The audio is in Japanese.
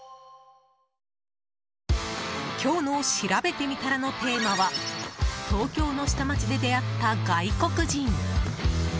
今日のしらべてみたらのテーマは東京の下町で出会った外国人。